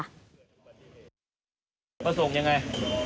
ประสงค์ยังไง